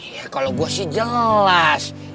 ya kalau gue sih jelas